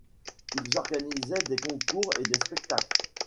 Ils organisaient des concours et des spectacles.